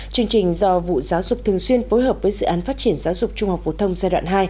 chương trình do vụ giáo dục thường xuyên phối hợp với dự án phát triển giáo dục trung học phổ thông giai đoạn hai